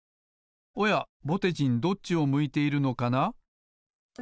ぼてじんどっちを向いているのかな？